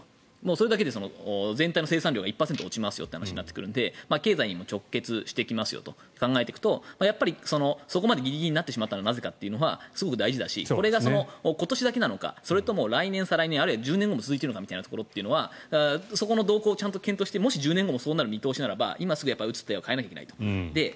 それだけで全体の生産量が１％落ちますよということになるので経済にも直結すると考えていくとそこまでギリギリになったのはなぜかというのはすごく大事だしそれが今年だけなのかあるいは来年、再来年１０年後も続いているのかとなるとそこの動向をちゃんと検討して１０年後もそうなる見通しならば今すぐ打つ手を変えなきゃいけない。